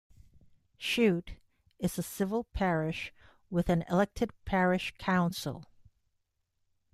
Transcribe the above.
Chute is a civil parish with an elected parish council.